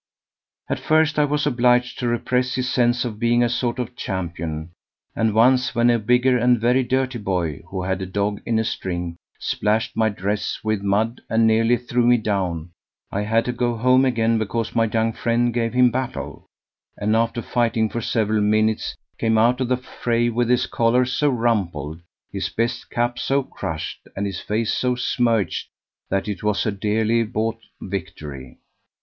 "At first I was obliged to repress his sense of being a sort of champion; and once when a bigger and very dirty boy, who had a dog in a string, splashed my dress with mud and nearly threw me down, I had to go home again because my young friend gave him battle, and after fighting for several minutes came out of the fray with his collar so rumpled, his best cap so crushed, and his face so smirched that it was a dearly bought victory.